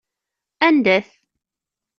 Anda-t?